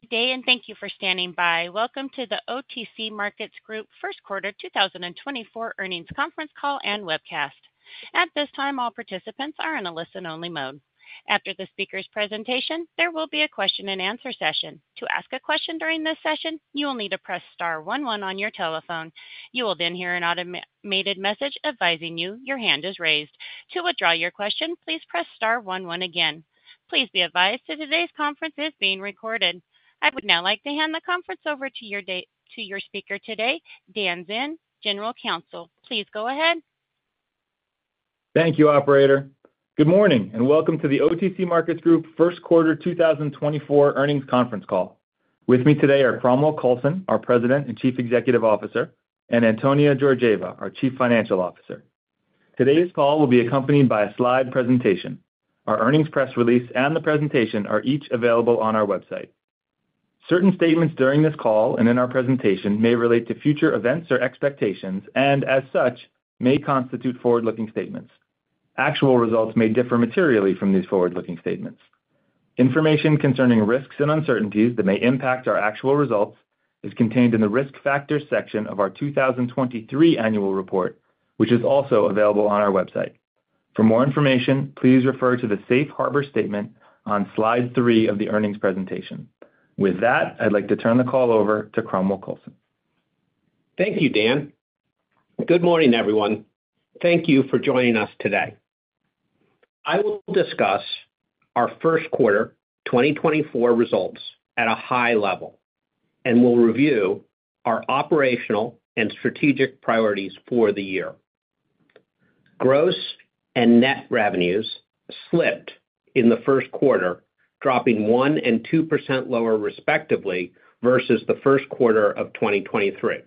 Good day and thank you for standing by. Welcome to the OTC Markets Group First Quarter 2024 Earnings Conference Call and Webcast. At this time, all participants are in a listen-only mode. After the speaker's presentation, there will be a question-and-answer session. To ask a question during this session, you will need to press star one one on your telephone. You will then hear an automated message advising you your hand is raised. To withdraw your question, please press star one one again. Please be advised that today's conference is being recorded. I would now like to hand the conference over to your speaker today, Dan Zinn, General Counsel. Please go ahead. Thank you, operator. Good morning and welcome to the OTC Markets Group First Quarter 2024 Earnings Conference Call. With me today are Cromwell Coulson, our President and Chief Executive Officer, and Antonia Georgieva, our Chief Financial Officer. Today's call will be accompanied by a slide presentation. Our earnings press release and the presentation are each available on our website. Certain statements during this call and in our presentation may relate to future events or expectations and, as such, may constitute forward-looking statements. Actual results may differ materially from these forward-looking statements. Information concerning risks and uncertainties that may impact our actual results is contained in the Risk Factors section of our 2023 Annual Report, which is also available on our website. For more information, please refer to the Safe Harbor Statement on slide 3 of the earnings presentation. With that, I'd like to turn the call over to Cromwell Coulson. Thank you, Dan. Good morning, everyone. Thank you for joining us today. I will discuss our first quarter 2024 results at a high level and will review our operational and strategic priorities for the year. Gross and net revenues slipped in the first quarter, dropping 1% and 2% lower respectively versus the first quarter of 2023.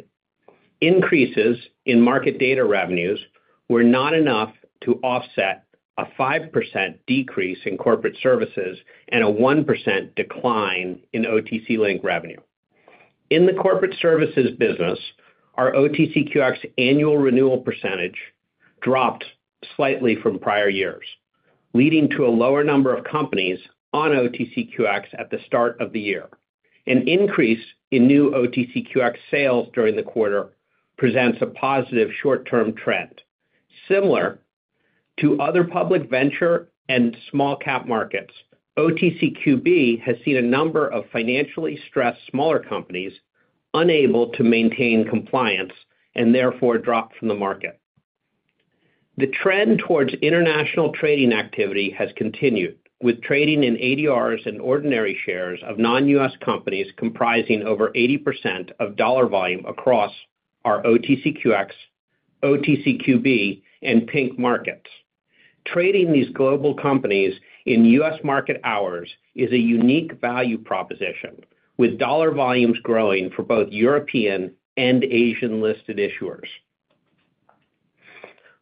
Increases in market data revenues were not enough to offset a 5% decrease in corporate services and a 1% decline in OTC Link revenue. In the corporate services business, our OTCQX annual renewal percentage dropped slightly from prior years, leading to a lower number of companies on OTCQX at the start of the year. An increase in new OTCQX sales during the quarter presents a positive short-term trend. Similar to other public venture and small-cap markets, OTCQB has seen a number of financially stressed smaller companies unable to maintain compliance and therefore drop from the market. The trend towards international trading activity has continued, with trading in ADRs and ordinary shares of non-U.S. companies comprising over 80% of dollar volume across our OTCQX, OTCQB, and Pink markets. Trading these global companies in U.S. market hours is a unique value proposition, with dollar volumes growing for both European and Asian listed issuers.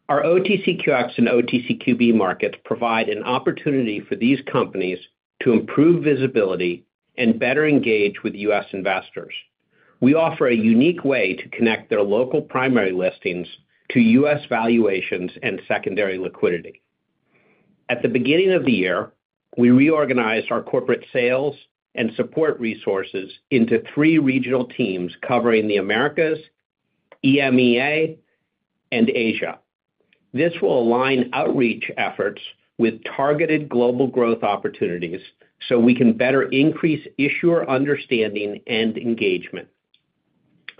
Our OTCQX and OTCQB markets provide an opportunity for these companies to improve visibility and better engage with U.S. investors. We offer a unique way to connect their local primary listings to U.S. valuations and secondary liquidity. At the beginning of the year, we reorganized our corporate sales and support resources into three regional teams covering the Americas, EMEA, and Asia. This will align outreach efforts with targeted global growth opportunities so we can better increase issuer understanding and engagement.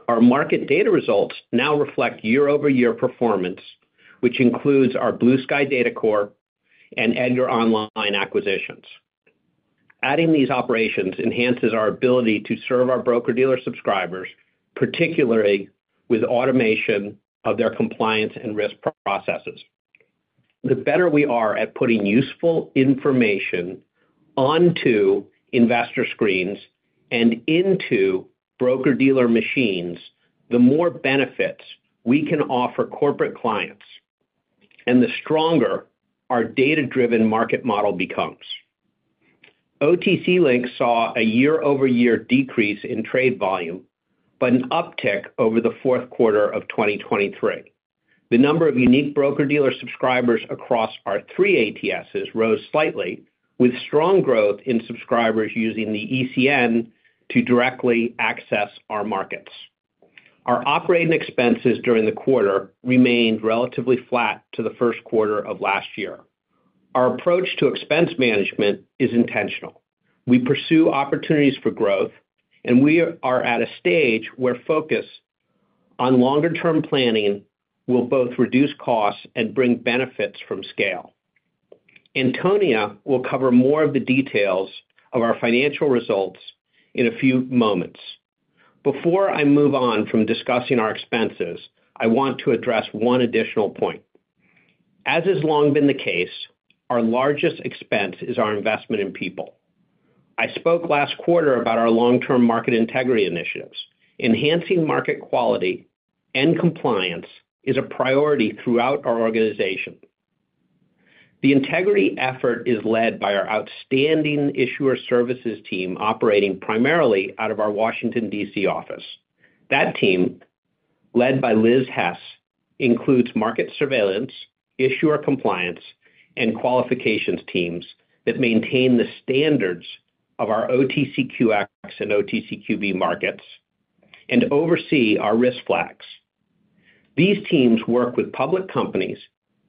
Our market data results now reflect year-over-year performance, which includes our Blue Sky Data Corp and EDGAR Online acquisitions. Adding these operations enhances our ability to serve our broker-dealer subscribers, particularly with automation of their compliance and risk processes. The better we are at putting useful information onto investor screens and into broker-dealer machines, the more benefits we can offer corporate clients and the stronger our data-driven market model becomes. OTC Link saw a year-over-year decrease in trade volume but an uptick over the fourth quarter of 2023. The number of unique broker-dealer subscribers across our three ATSs rose slightly, with strong growth in subscribers using the ECN to directly access our markets. Our operating expenses during the quarter remained relatively flat to the first quarter of last year. Our approach to expense management is intentional. We pursue opportunities for growth, and we are at a stage where focus on longer-term planning will both reduce costs and bring benefits from scale. Antonia will cover more of the details of our financial results in a few moments. Before I move on from discussing our expenses, I want to address one additional point. As has long been the case, our largest expense is our investment in people. I spoke last quarter about our long-term market integrity initiatives. Enhancing market quality and compliance is a priority throughout our organization. The integrity effort is led by our outstanding issuer services team operating primarily out of our Washington, D.C. office. That team, led by Liz Heese, includes market surveillance, issuer compliance, and qualifications teams that maintain the standards of our OTCQX and OTCQB markets and oversee our risk flags. These teams work with public companies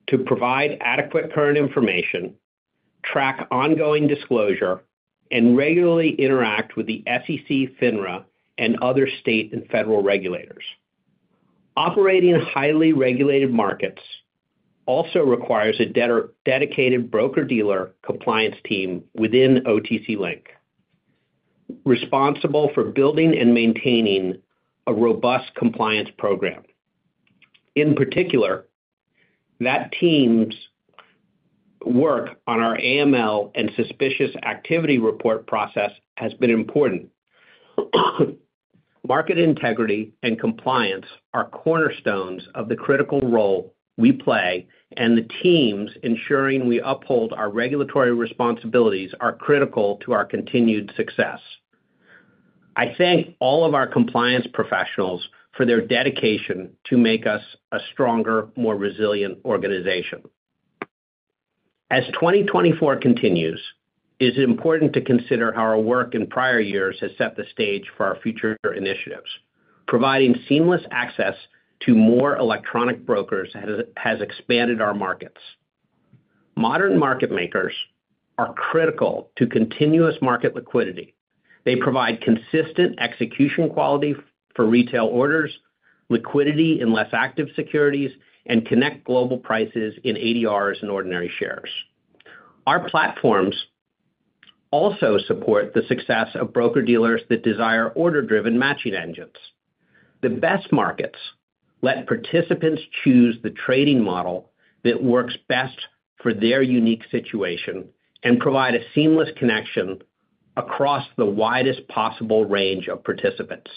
to provide adequate current information, track ongoing disclosure, and regularly interact with the SEC, FINRA, and other state and federal regulators. Operating highly regulated markets also requires a dedicated broker-dealer compliance team within OTC Link responsible for building and maintaining a robust compliance program. In particular, that team's work on our AML and Suspicious Activity Report process has been important. Market integrity and compliance are cornerstones of the critical role we play, and the teams ensuring we uphold our regulatory responsibilities are critical to our continued success. I thank all of our compliance professionals for their dedication to make us a stronger, more resilient organization. As 2024 continues, it is important to consider how our work in prior years has set the stage for our future initiatives. Providing seamless access to more electronic brokers has expanded our markets. Modern market makers are critical to continuous market liquidity. They provide consistent execution quality for retail orders, liquidity in less active securities, and connect global prices in ADRs and ordinary shares. Our platforms also support the success of broker-dealers that desire order-driven matching engines. The best markets let participants choose the trading model that works best for their unique situation and provide a seamless connection across the widest possible range of participants.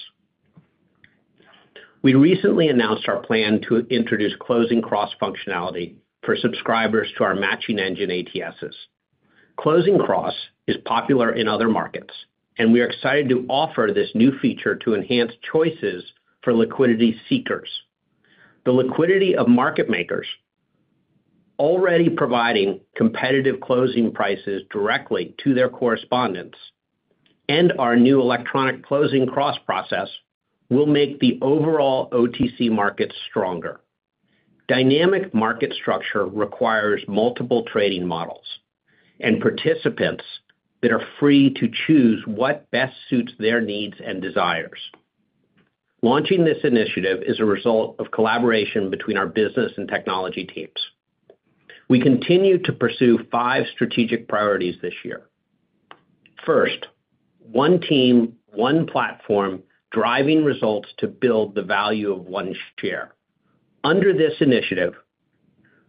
We recently announced our plan to introduce Closing Cross functionality for subscribers to our matching engine ATSs. Closing Cross is popular in other markets, and we are excited to offer this new feature to enhance choices for liquidity seekers. The liquidity of market makers already providing competitive closing prices directly to their correspondents and our new electronic Closing Cross process will make the overall OTC market stronger. Dynamic market structure requires multiple trading models and participants that are free to choose what best suits their needs and desires. Launching this initiative is a result of collaboration between our business and technology teams. We continue to pursue five strategic priorities this year. First, one team, one platform driving results to build the value of one share. Under this initiative,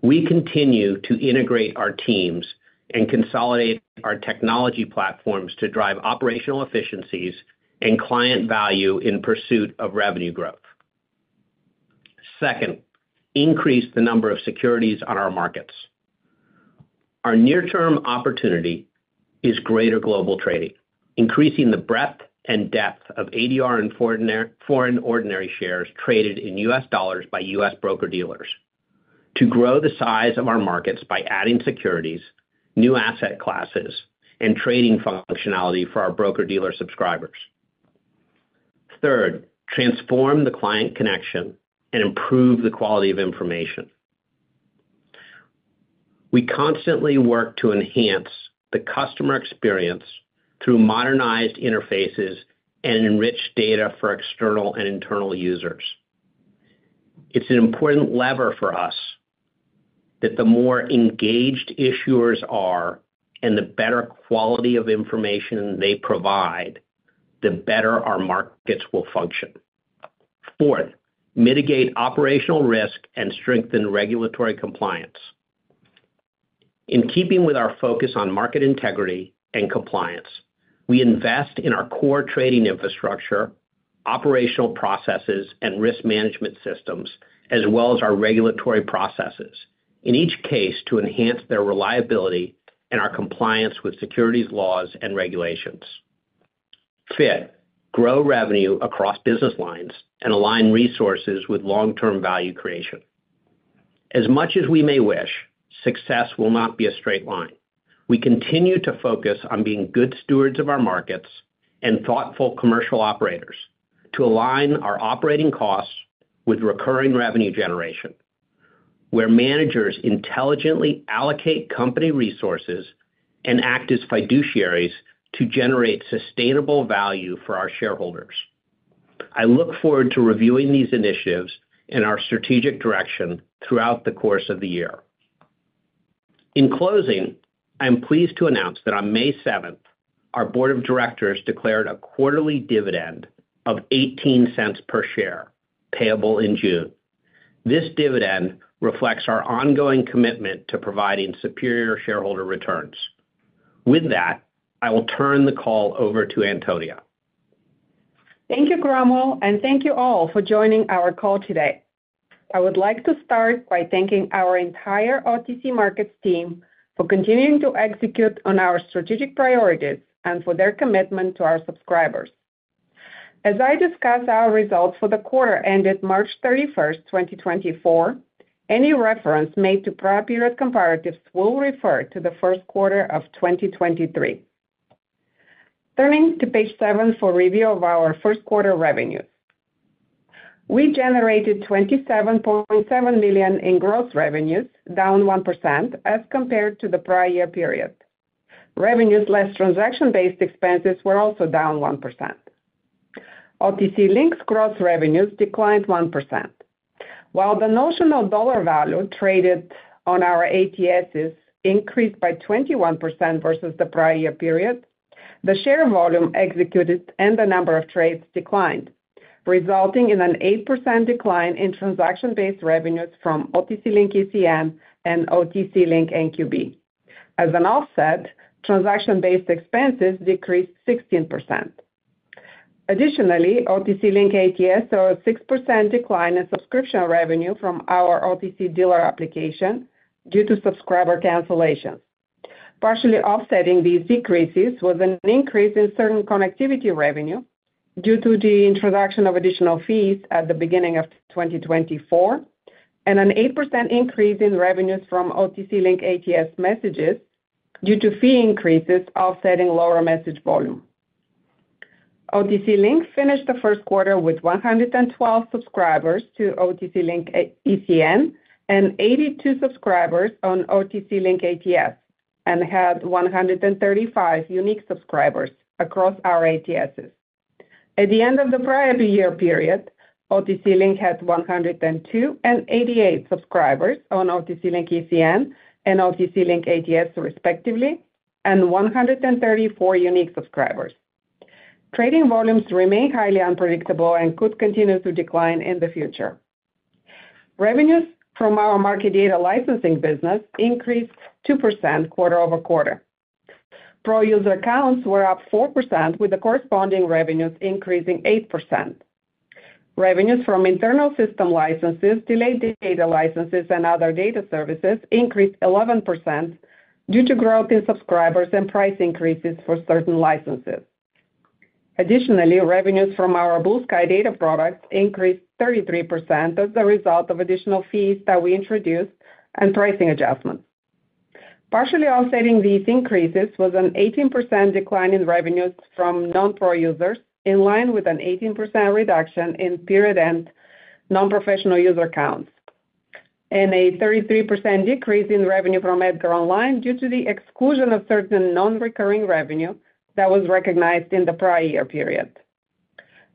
we continue to integrate our teams and consolidate our technology platforms to drive operational efficiencies and client value in pursuit of revenue growth. Second, increase the number of securities on our markets. Our near-term opportunity is greater global trading, increasing the breadth and depth of ADR and foreign ordinary shares traded in U.S. dollars by U.S. broker-dealers. To grow the size of our markets by adding securities, new asset classes, and trading functionality for our broker-dealer subscribers. Third, transform the client connection and improve the quality of information. We constantly work to enhance the customer experience through modernized interfaces and enriched data for external and internal users. It's an important lever for us that the more engaged issuers are and the better quality of information they provide, the better our markets will function. Fourth, mitigate operational risk and strengthen regulatory compliance. In keeping with our focus on market integrity and compliance, we invest in our core trading infrastructure, operational processes, and risk management systems, as well as our regulatory processes, in each case to enhance their reliability and our compliance with securities laws and regulations. Fifth, grow revenue across business lines and align resources with long-term value creation. As much as we may wish, success will not be a straight line. We continue to focus on being good stewards of our markets and thoughtful commercial operators to align our operating costs with recurring revenue generation, where managers intelligently allocate company resources and act as fiduciaries to generate sustainable value for our shareholders. I look forward to reviewing these initiatives and our strategic direction throughout the course of the year. In closing, I am pleased to announce that on May 7th, our Board of Directors declared a quarterly dividend of $0.18 per share payable in June. This dividend reflects our ongoing commitment to providing superior shareholder returns. With that, I will turn the call over to Antonia. Thank you, Cromwell, and thank you all for joining our call today. I would like to start by thanking our entire OTC Markets team for continuing to execute on our strategic priorities and for their commitment to our subscribers. As I discuss our results for the quarter ended March 31, 2024, any reference made to prior period comparatives will refer to the first quarter of 2023. Turning to page 7 for review of our first quarter revenues. We generated $27.7 million in gross revenues, down 1% as compared to the prior year period. Revenues less transaction-based expenses were also down 1%. OTC Link's gross revenues declined 1%. While the notional dollar value traded on our ATSs increased by 21% versus the prior year period, the share volume executed and the number of trades declined, resulting in an 8% decline in transaction-based revenues from OTC Link ECN and OTC Link NQB. As an offset, transaction-based expenses decreased 16%. Additionally, OTC Link ATS saw a 6% decline in subscription revenue from our OTC Dealer application due to subscriber cancellations. Partially offsetting these decreases was an increase in certain connectivity revenue due to the introduction of additional fees at the beginning of 2024, and an 8% increase in revenues from OTC Link ATS messages due to fee increases offsetting lower message volume. OTC Link finished the first quarter with 112 subscribers to OTC Link ECN and 82 subscribers on OTC Link ATS and had 135 unique subscribers across our ATSs. At the end of the prior year period, OTC Link had 102 and 88 subscribers on OTC Link ECN and OTC Link ATS, respectively, and 134 unique subscribers. Trading volumes remain highly unpredictable and could continue to decline in the future. Revenues from our market data licensing business increased 2% quarter-over-quarter. Pro user accounts were up 4%, with the corresponding revenues increasing 8%. Revenues from internal system licenses, delayed data licenses, and other data services increased 11% due to growth in subscribers and price increases for certain licenses. Additionally, revenues from our Blue Sky Data products increased 33% as a result of additional fees that we introduced and pricing adjustments. Partially offsetting these increases was an 18% decline in revenues from non-pro users, in line with an 18% reduction in period-end non-professional user accounts, and a 33% decrease in revenue from EDGAR Online due to the exclusion of certain non-recurring revenue that was recognized in the prior year period.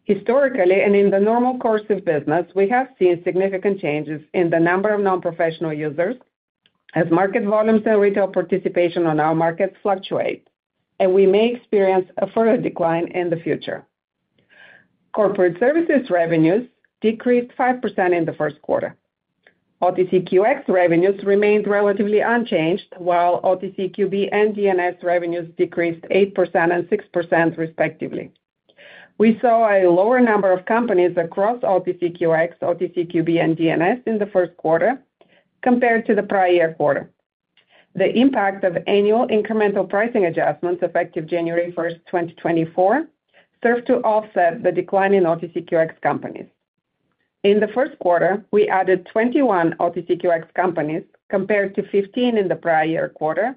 Historically, and in the normal course of business, we have seen significant changes in the number of non-professional users as market volumes and retail participation on our markets fluctuate, and we may experience a further decline in the future. Corporate services revenues decreased 5% in the first quarter. OTCQX revenues remained relatively unchanged, while OTCQB and DNS revenues decreased 8% and 6%, respectively. We saw a lower number of companies across OTCQX, OTCQB, and DNS in the first quarter compared to the prior year quarter. The impact of annual incremental pricing adjustments effective January 1, 2024, served to offset the decline in OTCQX companies. In the first quarter, we added 21 OTCQX companies compared to 15 in the prior year quarter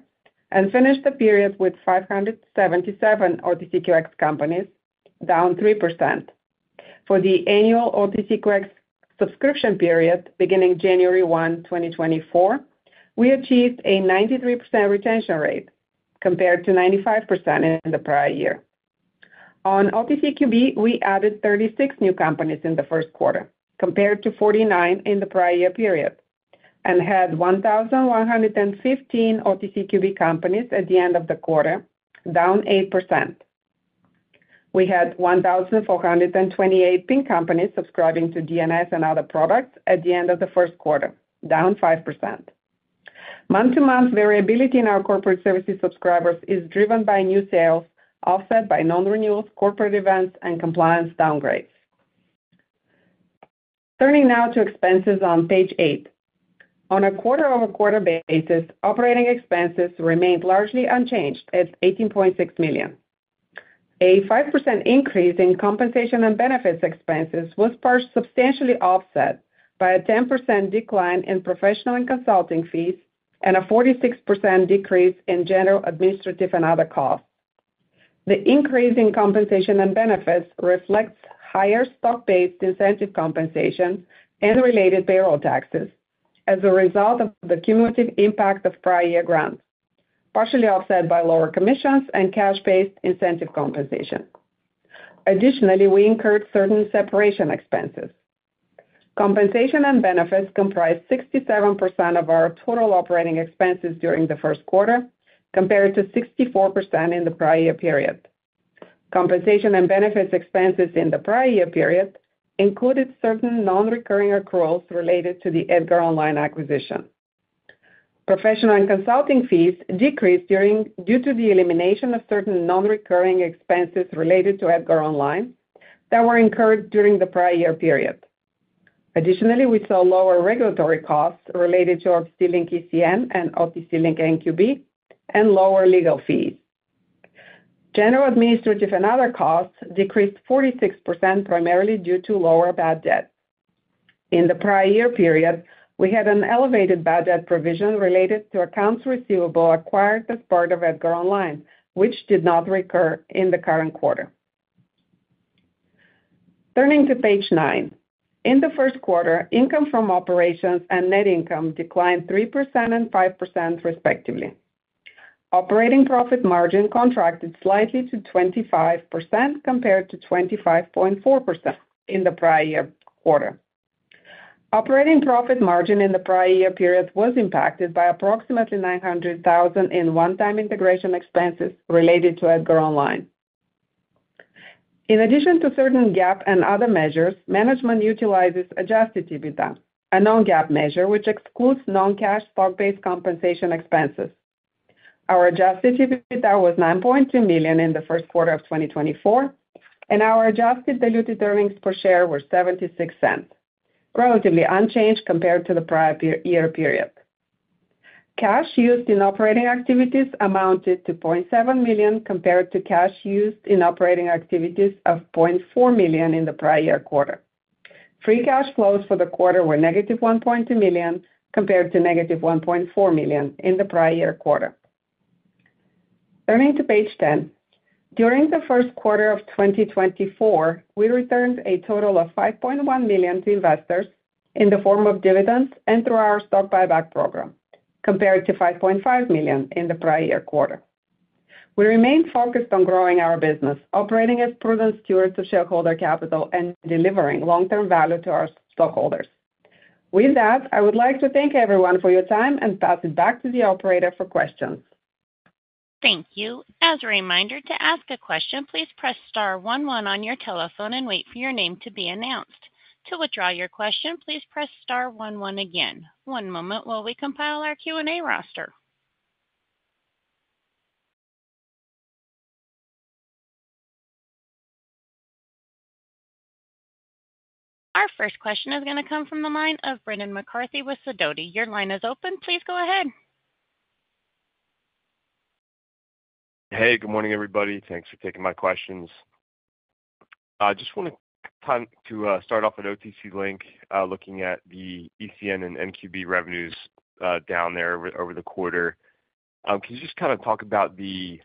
and finished the period with 577 OTCQX companies, down 3%. For the annual OTCQX subscription period beginning January 1, 2024, we achieved a 93% retention rate compared to 95% in the prior year. On OTCQB, we added 36 new companies in the first quarter compared to 49 in the prior year period and had 1,115 OTCQB companies at the end of the quarter, down 8%. We had 1,428 Pink companies subscribing to DNS and other products at the end of the first quarter, down 5%. Month-to-month variability in our corporate services subscribers is driven by new sales offset by non-renewals, corporate events, and compliance downgrades. Turning now to expenses on page eight. On a quarter-over-quarter basis, operating expenses remained largely unchanged at $18.6 million. A 5% increase in compensation and benefits expenses was substantially offset by a 10% decline in professional and consulting fees and a 46% decrease in general administrative and other costs. The increase in compensation and benefits reflects higher stock-based incentive compensation and related payroll taxes as a result of the cumulative impact of prior year grants, partially offset by lower commissions and cash-based incentive compensation. Additionally, we incurred certain separation expenses. Compensation and benefits comprised 67% of our total operating expenses during the first quarter compared to 64% in the prior year period. Compensation and benefits expenses in the prior year period included certain non-recurring accruals related to the EDGAR Online acquisition. Professional and consulting fees decreased due to the elimination of certain non-recurring expenses related to EDGAR Online that were incurred during the prior year period. Additionally, we saw lower regulatory costs related to OTC Link ECN and OTC Link NQB and lower legal fees. General administrative and other costs decreased 46% primarily due to lower bad debt. In the prior year period, we had an elevated bad debt provision related to accounts receivable acquired as part of EDGAR Online, which did not recur in the current quarter. Turning to page 9. In the first quarter, income from operations and net income declined 3% and 5%, respectively. Operating profit margin contracted slightly to 25% compared to 25.4% in the prior year quarter. Operating profit margin in the prior year period was impacted by approximately $900,000 in one-time integration expenses related to EDGAR Online. In addition to certain GAAP and other measures, management utilizes Adjusted EBITDA, a non-GAAP measure which excludes non-cash stock-based compensation expenses. Our Adjusted EBITDA was $9.2 million in the first quarter of 2024, and our adjusted diluted earnings per share were $0.76, relatively unchanged compared to the prior year period. Cash used in operating activities amounted to $0.7 million compared to cash used in operating activities of $0.4 million in the prior year quarter. Free cash flows for the quarter were -$1.2 million compared to -$1.4 million in the prior year quarter. Turning to page 10. During the first quarter of 2024, we returned a total of $5.1 million to investors in the form of dividends and through our stock buyback program compared to $5.5 million in the prior year quarter. We remained focused on growing our business, operating as prudent stewards of shareholder capital, and delivering long-term value to our stockholders. With that, I would like to thank everyone for your time and pass it back to the operator for questions. Thank you. As a reminder, to ask a question, please press star one one on your telephone and wait for your name to be announced. To withdraw your question, please press star one one again. One moment while we compile our Q&A roster. Our first question is going to come from the line of Brendan McCarthy with Sidoti. Your line is open. Please go ahead. Hey. Good morning, everybody. Thanks for taking my questions. I just want to start off at OTC Link looking at the ECN and NQB revenues down there over the quarter. Can you just kind of talk about the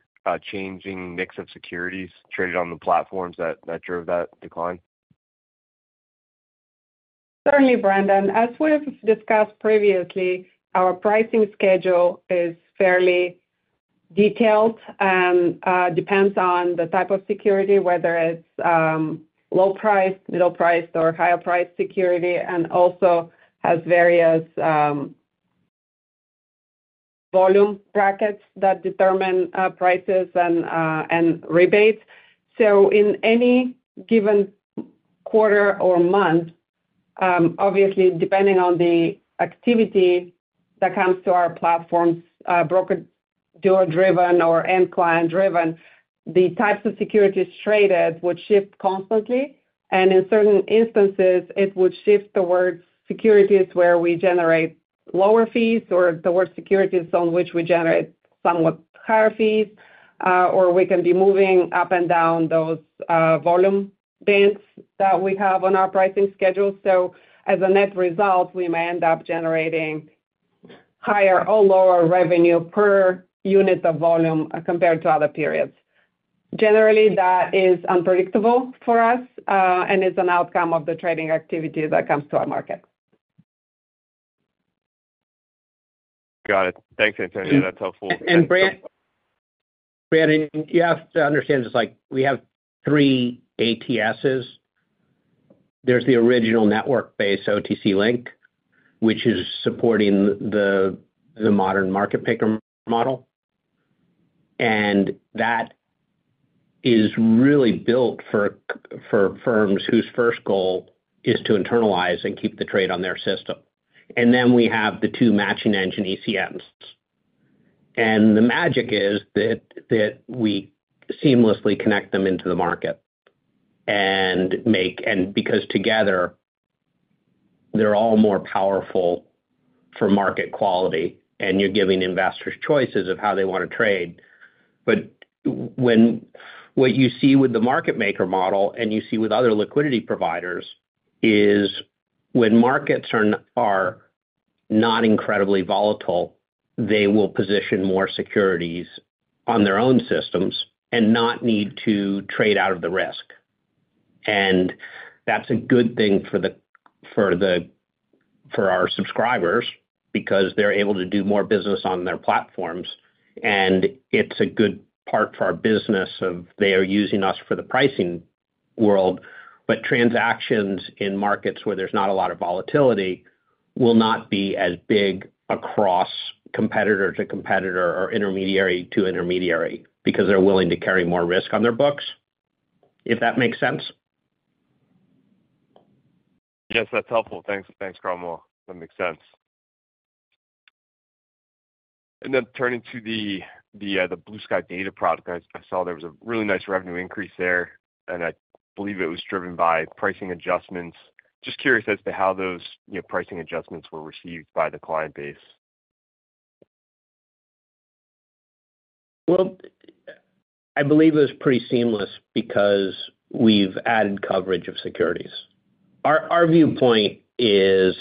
changing mix of securities traded on the platforms that drove that decline? Certainly, Brendan. As we have discussed previously, our pricing schedule is fairly detailed and depends on the type of security, whether it's low-priced, middle-priced, or higher-priced security, and also has various volume brackets that determine prices and rebates. So in any given quarter or month, obviously, depending on the activity that comes to our platforms, broker-dealer-driven or end-client-driven, the types of securities traded would shift constantly, and in certain instances, it would shift towards securities where we generate lower fees or towards securities on which we generate somewhat higher fees, or we can be moving up and down those volume bands that we have on our pricing schedule. So as a net result, we may end up generating higher or lower revenue per unit of volume compared to other periods. Generally, that is unpredictable for us and is an outcome of the trading activity that comes to our market. Got it. Thanks, Antonia. That's helpful. And Brendan, you have to understand just we have three ATSs. There's the original network-based OTC Link, which is supporting the modern Market Maker model, and that is really built for firms whose first goal is to internalize and keep the trade on their system. And then we have the two matching engine ECNs. And the magic is that we seamlessly connect them into the market and make, and because together, they're all more powerful for market quality, and you're giving investors choices of how they want to trade. But what you see with the Market Maker model and you see with other liquidity providers is when markets are not incredibly volatile, they will position more securities on their own systems and not need to trade out of the risk. That's a good thing for our subscribers because they're able to do more business on their platforms, and it's a good part for our business of they are using us for the pricing world, but transactions in markets where there's not a lot of volatility will not be as big across competitor to competitor or intermediary to intermediary because they're willing to carry more risk on their books, if that makes sense. Yes. That's helpful. Thanks, Cromwell. That makes sense. Then turning to the Blue Sky Data product, I saw there was a really nice revenue increase there, and I believe it was driven by pricing adjustments. Just curious as to how those pricing adjustments were received by the client base. Well, I believe it was pretty seamless because we've added coverage of securities. Our viewpoint is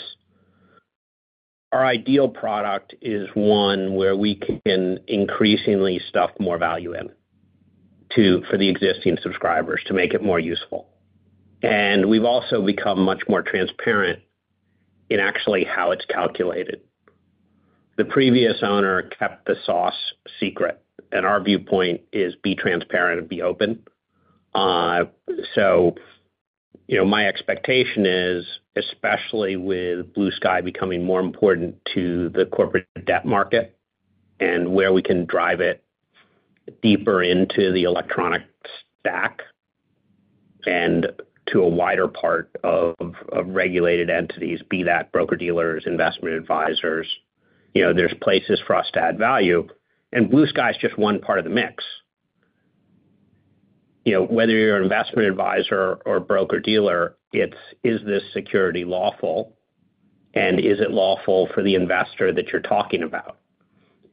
our ideal product is one where we can increasingly stuff more value in for the existing subscribers to make it more useful. And we've also become much more transparent in actually how it's calculated. The previous owner kept the sauce secret, and our viewpoint is be transparent and be open. So my expectation is, especially with Blue Sky becoming more important to the corporate debt market and where we can drive it deeper into the electronic stack and to a wider part of regulated entities, be that broker-dealers, investment advisors, there's places for us to add value. And Blue Sky is just one part of the mix. Whether you're an investment advisor or broker-dealer, it's, "Is this security lawful? And is it lawful for the investor that you're talking about?"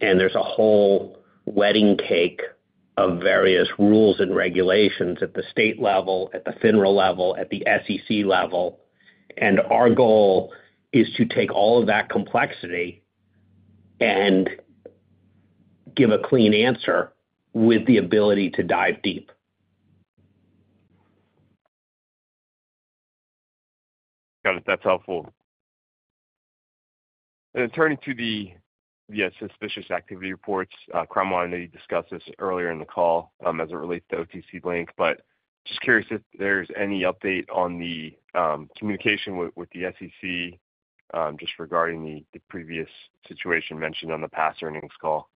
And there's a whole wedding cake of various rules and regulations at the state level, at the FINRA level, at the SEC level. And our goal is to take all of that complexity and give a clean answer with the ability to dive deep. Got it. That's helpful. And then turning to the suspicious activity reports, Cromwell, I know you discussed this earlier in the call as it relates to OTC Link, but just curious if there's any update on the communication with the SEC just regarding the previous situation mentioned on the past earnings call.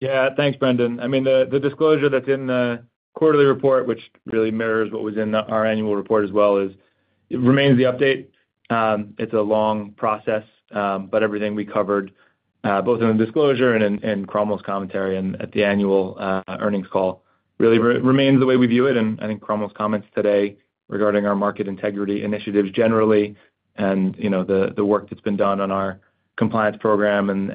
Yeah. Thanks, Brendan. I mean, the disclosure that's in the quarterly report, which really mirrors what was in our annual report as well, remains the update. It's a long process, but everything we covered, both in the disclosure and in Cromwell's commentary at the annual earnings call, really remains the way we view it. And I think Cromwell's comments today regarding our market integrity initiatives generally and the work that's been done on our compliance program and,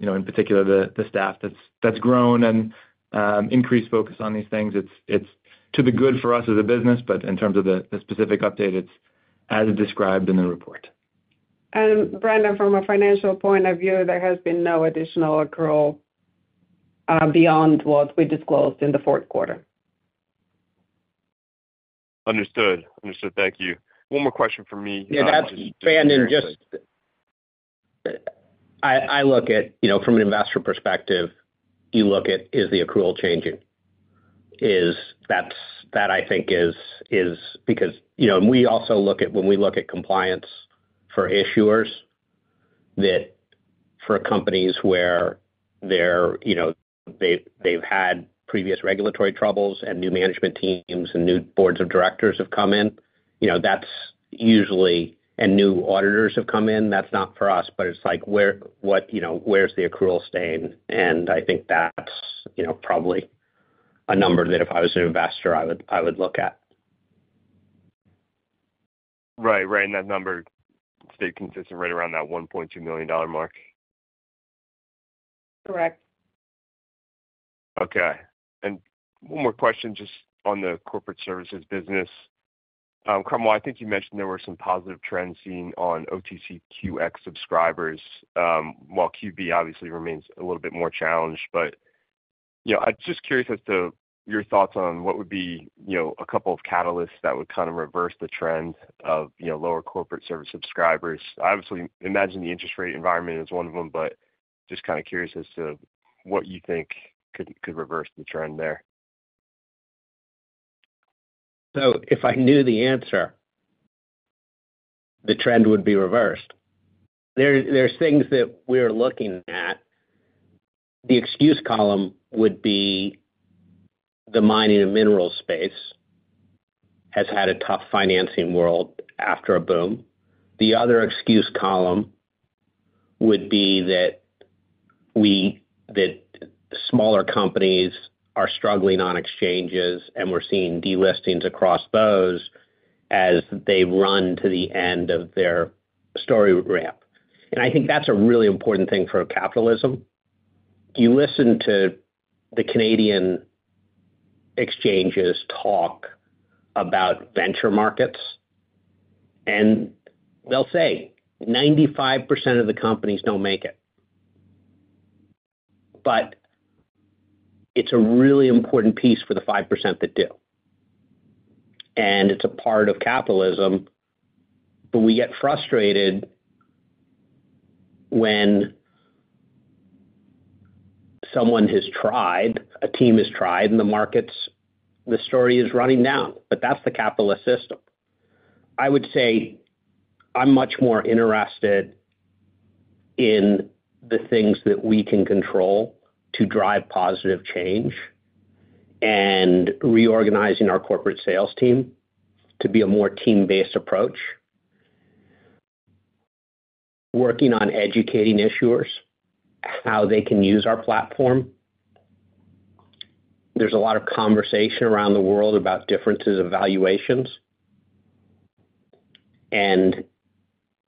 in particular, the staff that's grown and increased focus on these things, it's to the good for us as a business, but in terms of the specific update, it's as described in the report. Brendan, from a financial point of view, there has been no additional accrual beyond what we disclosed in the fourth quarter. Understood. Understood. Thank you. One more question from me. Yeah. That's Brendan. I look at from an investor perspective, you look at, "Is the accrual changing?" That I think is because we also look at when we look at compliance for issuers, that for companies where they've had previous regulatory troubles and new management teams and new boards of directors have come in, that's usually and new auditors have come in, that's not for us, but it's like, "Where's the accrual staying?" And I think that's probably a number that if I was an investor, I would look at. Right. Right. And that number stayed consistent right around that $1.2 million mark? Correct. Okay. And one more question just on the corporate services business. Cromwell, I think you mentioned there were some positive trends seen on OTCQX subscribers while QB obviously remains a little bit more challenged. But I'm just curious as to your thoughts on what would be a couple of catalysts that would kind of reverse the trend of lower corporate service subscribers. I obviously imagine the interest rate environment is one of them, but just kind of curious as to what you think could reverse the trend there? So if I knew the answer, the trend would be reversed. There's things that we're looking at. The excuse column would be the mining and mineral space has had a tough financing world after a boom. The other excuse column would be that smaller companies are struggling on exchanges, and we're seeing delistings across those as they run to the end of their story ramp. And I think that's a really important thing for capitalism. You listen to the Canadian exchanges talk about venture markets, and they'll say, "95% of the companies don't make it." But it's a really important piece for the 5% that do. And it's a part of capitalism, but we get frustrated when someone has tried, a team has tried, and the story is running down. But that's the capitalist system. I would say I'm much more interested in the things that we can control to drive positive change and reorganizing our corporate sales team to be a more team-based approach, working on educating issuers, how they can use our platform. There's a lot of conversation around the world about differences of valuations and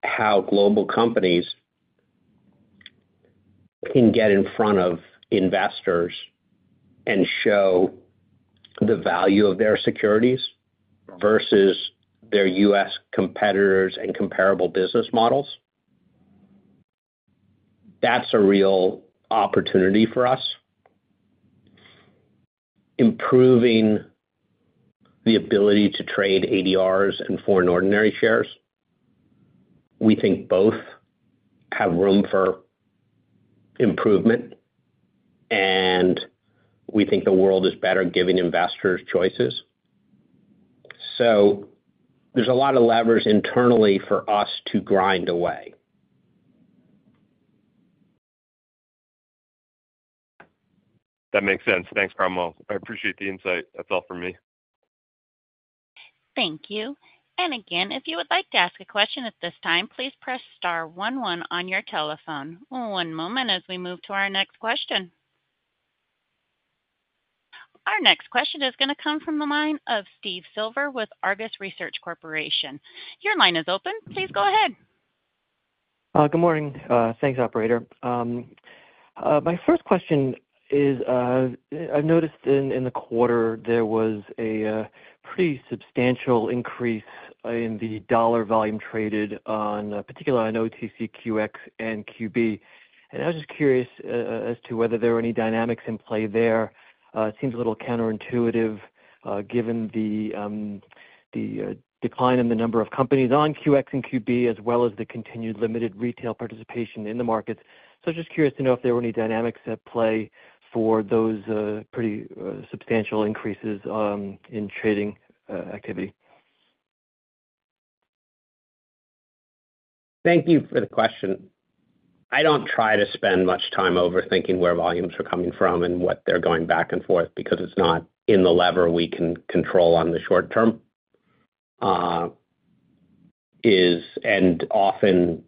how global companies can get in front of investors and show the value of their securities versus their U.S. competitors and comparable business models. That's a real opportunity for us, improving the ability to trade ADRs and foreign ordinary shares. We think both have room for improvement, and we think the world is better giving investors choices. So there's a lot of levers internally for us to grind away. That makes sense. Thanks, Cromwell. I appreciate the insight. That's all from me. Thank you. And again, if you would like to ask a question at this time, please press star one one on your telephone. One moment as we move to our next question. Our next question is going to come from the line of Steve Silver with Argus Research Corporation. Your line is open. Please go ahead. Good morning. Thanks, operator. My first question is, I've noticed in the quarter, there was a pretty substantial increase in the dollar volume traded, particularly on OTCQX and QB. I was just curious as to whether there were any dynamics in play there. It seems a little counterintuitive given the decline in the number of companies on QX and QB as well as the continued limited retail participation in the markets. I'm just curious to know if there were any dynamics at play for those pretty substantial increases in trading activity. Thank you for the question. I don't try to spend much time overthinking where volumes are coming from and what they're going back and forth because it's not in the lever we can control on the short term. And often,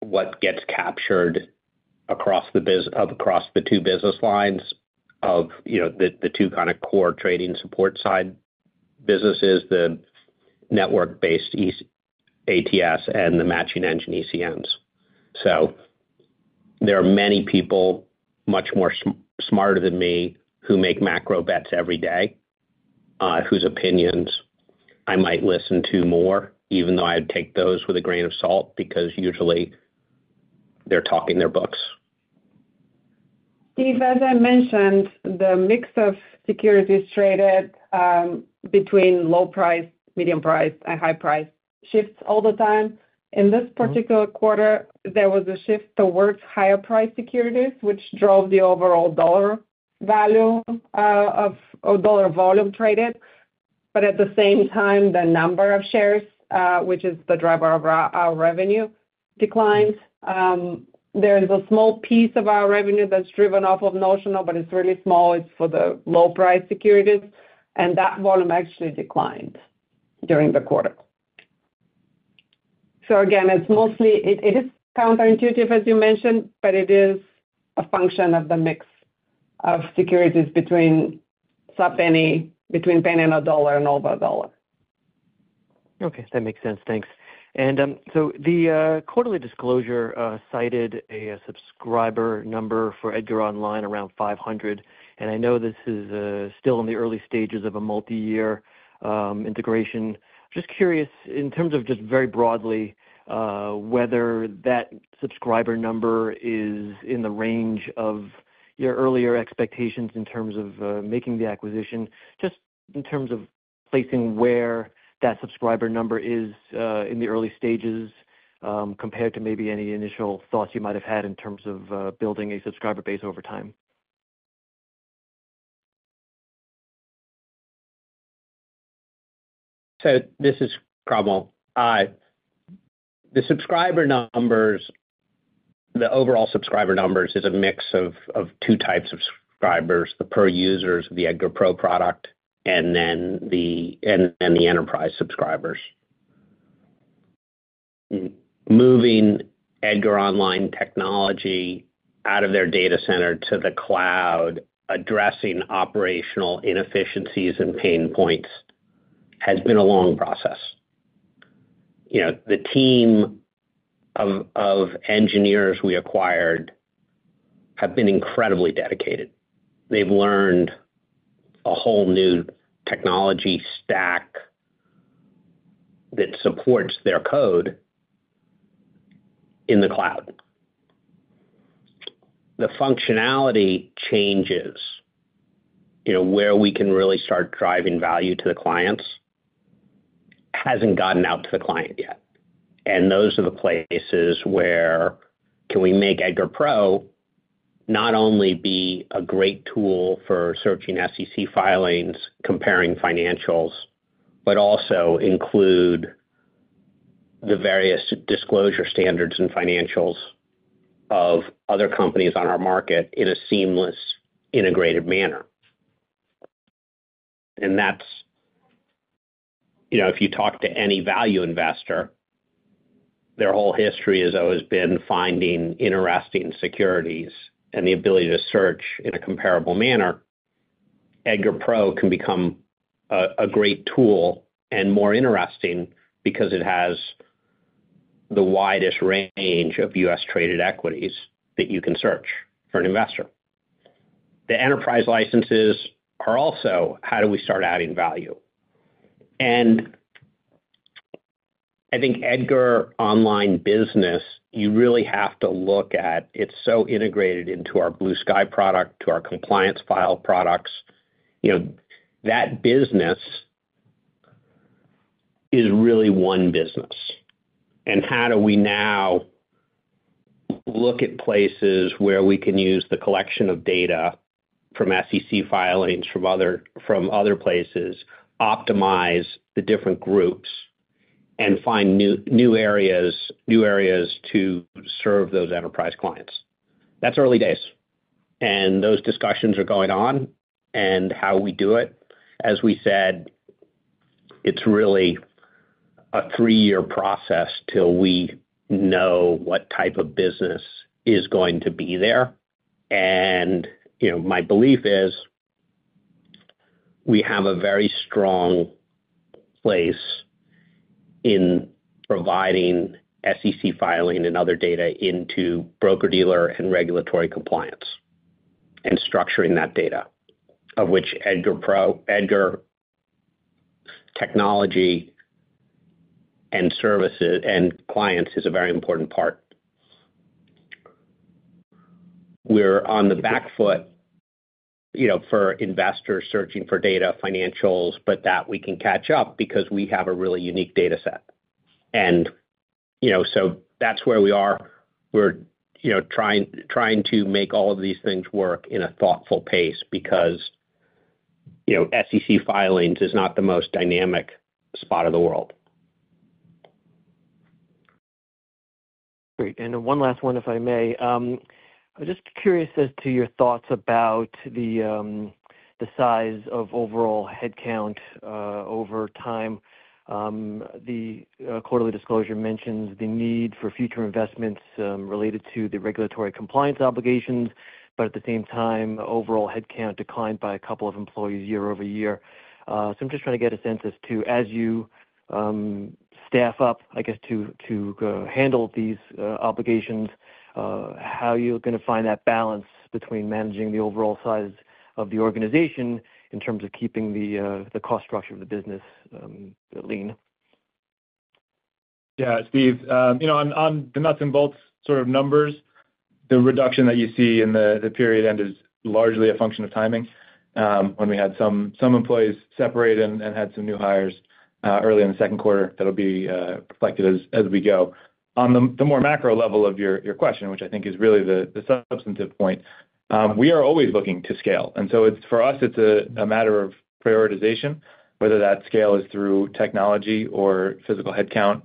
what gets captured across the two business lines of the two kind of core trading support side businesses, the network-based ATS and the matching engine ECNs. So there are many people much more smarter than me who make macro bets every day whose opinions I might listen to more, even though I'd take those with a grain of salt because usually, they're talking their books. Steve, as I mentioned, the mix of securities traded between low price, medium price, and high price shifts all the time. In this particular quarter, there was a shift towards higher-priced securities, which drove the overall dollar volume traded. But at the same time, the number of shares, which is the driver of our revenue, declined. There is a small piece of our revenue that's driven off of notional, but it's really small. It's for the low-priced securities. And that volume actually declined during the quarter. So again, it is counterintuitive, as you mentioned, but it is a function of the mix of securities between penny and a dollar and over a dollar. Okay. That makes sense. Thanks. And so the quarterly disclosure cited a subscriber number for EDGAR Online around 500. And I know this is still in the early stages of a multi-year integration. Just curious, in terms of just very broadly, whether that subscriber number is in the range of your earlier expectations in terms of making the acquisition, just in terms of placing where that subscriber number is in the early stages compared to maybe any initial thoughts you might have had in terms of building a subscriber base over time. So this is Cromwell. The overall subscriber numbers is a mix of two types of subscribers, the per-users of the EDGAR Pro product and then the enterprise subscribers. Moving EDGAR Online technology out of their data center to the cloud, addressing operational inefficiencies and pain points, has been a long process. The team of engineers we acquired have been incredibly dedicated. They've learned a whole new technology stack that supports their code in the cloud. The functionality changes. Where we can really start driving value to the clients hasn't gotten out to the client yet. And those are the places where can we make EDGAR Pro not only be a great tool for searching SEC filings, comparing financials, but also include the various disclosure standards and financials of other companies on our market in a seamless, integrated manner. If you talk to any value investor, their whole history has always been finding interesting securities and the ability to search in a comparable manner. EDGAR Pro can become a great tool and more interesting because it has the widest range of U.S.-traded equities that you can search for an investor. The enterprise licenses are also, "How do we start adding value?" I think EDGAR Online business, you really have to look at it's so integrated into our Blue Sky product, to our compliance file products. That business is really one business. How do we now look at places where we can use the collection of data from SEC filings, from other places, optimize the different groups, and find new areas to serve those enterprise clients? That's early days. Those discussions are going on. How we do it, as we said, it's really a three-year process till we know what type of business is going to be there. My belief is we have a very strong place in providing SEC filing and other data into broker-dealer and regulatory compliance and structuring that data, of which EDGAR technology and clients is a very important part. We're on the back foot for investors searching for data, financials, but that we can catch up because we have a really unique data set. So that's where we are. We're trying to make all of these things work in a thoughtful pace because SEC filings is not the most dynamic spot of the world. Great. And one last one, if I may. I'm just curious as to your thoughts about the size of overall headcount over time. The quarterly disclosure mentions the need for future investments related to the regulatory compliance obligations, but at the same time, overall headcount declined by a couple of employees year-over-year. So I'm just trying to get a sense as to, as you staff up, I guess, to handle these obligations, how you're going to find that balance between managing the overall size of the organization in terms of keeping the cost structure of the business lean. Yeah, Steve. On the nuts and bolts sort of numbers, the reduction that you see in the period end is largely a function of timing when we had some employees separate and had some new hires early in the second quarter. That'll be reflected as we go. On the more macro level of your question, which I think is really the substantive point, we are always looking to scale. And so for us, it's a matter of prioritization, whether that scale is through technology or physical headcount,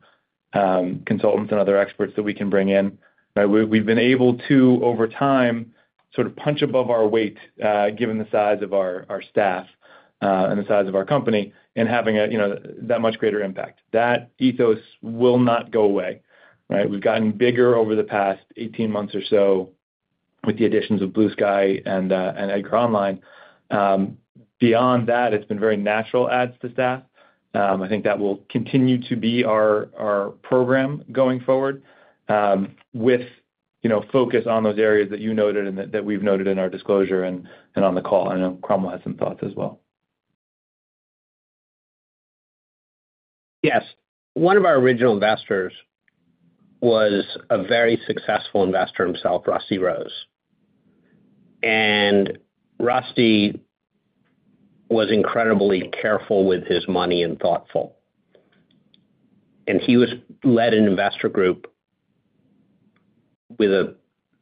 consultants, and other experts that we can bring in. We've been able to, over time, sort of punch above our weight given the size of our staff and the size of our company and having that much greater impact. That ethos will not go away. We've gotten bigger over the past 18 months or so with the additions of Blue Sky Data and EDGAR Online. Beyond that, it's been very natural adds to staff. I think that will continue to be our program going forward with focus on those areas that you noted and that we've noted in our disclosure and on the call. I know Cromwell has some thoughts as well. Yes. One of our original investors was a very successful investor himself, Rusty Rose. And Rusty was incredibly careful with his money and thoughtful. And he led an investor group with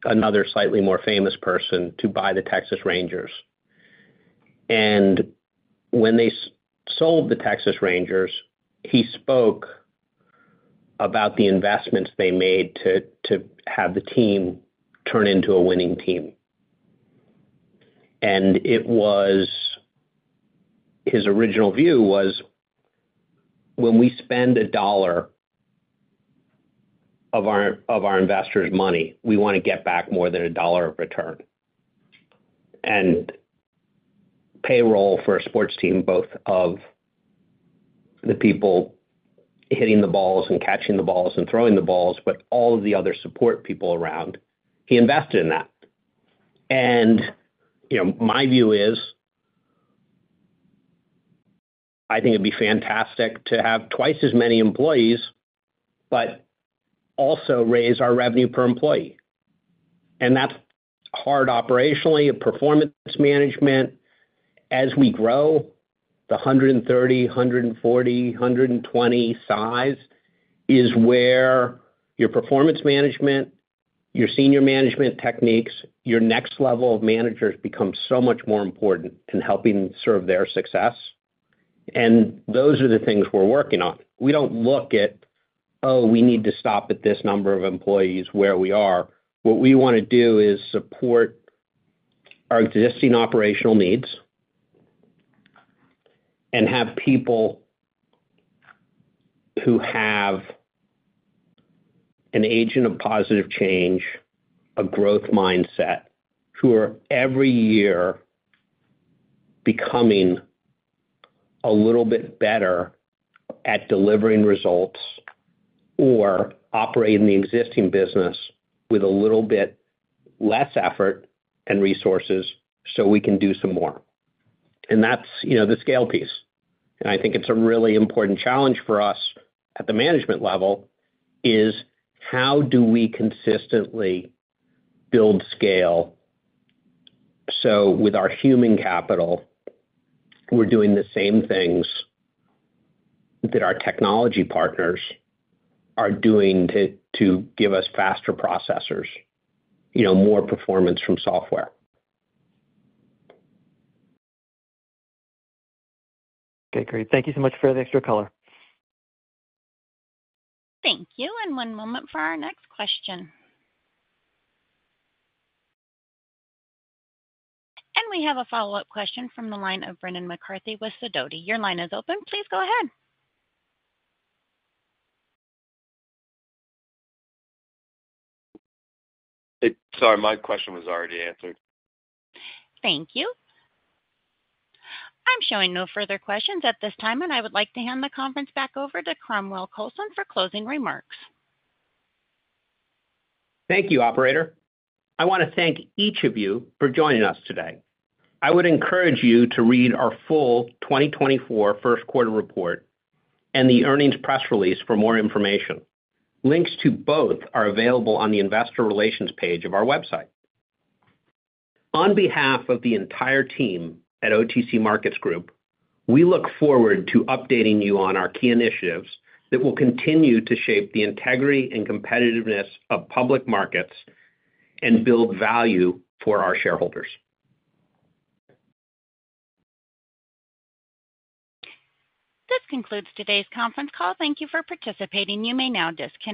another slightly more famous person to buy the Texas Rangers. And when they sold the Texas Rangers, he spoke about the investments they made to have the team turn into a winning team. And his original view was, "When we spend a dollar of our investors' money, we want to get back more than a dollar of return." And payroll for a sports team, both of the people hitting the balls and catching the balls and throwing the balls, but all of the other support people around, he invested in that. And my view is I think it'd be fantastic to have twice as many employees but also raise our revenue per employee. And that's hard operationally. Performance management, as we grow, the 130, 140, 120 size is where your performance management, your senior management techniques, your next level of managers become so much more important in helping serve their success. Those are the things we're working on. We don't look at, "Oh, we need to stop at this number of employees where we are." What we want to do is support our existing operational needs and have people who have an agent of positive change, a growth mindset, who are every year becoming a little bit better at delivering results or operating the existing business with a little bit less effort and resources so we can do some more. That's the scale piece. I think it's a really important challenge for us at the management level is how do we consistently build scale so with our human capital, we're doing the same things that our technology partners are doing to give us faster processors, more performance from software. Okay. Great. Thank you so much for the extra color. Thank you. One moment for our next question. We have a follow-up question from the line of Brendan McCarthy with Sidoti. Your line is open. Please go ahead. Sorry. My question was already answered. Thank you. I'm showing no further questions at this time, and I would like to hand the conference back over to Cromwell Coulson for closing remarks. Thank you, operator. I want to thank each of you for joining us today. I would encourage you to read our full 2024 first-quarter report and the earnings press release for more information. Links to both are available on the investor relations page of our website. On behalf of the entire team at OTC Markets Group, we look forward to updating you on our key initiatives that will continue to shape the integrity and competitiveness of public markets and build value for our shareholders. This concludes today's conference call. Thank you for participating. You may now disconnect.